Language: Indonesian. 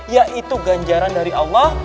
yaitu ganjaran dari allah